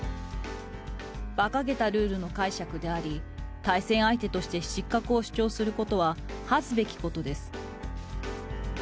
ばかげたルールの解釈であり、対戦相手として失格を主張することは恥ずべきことです。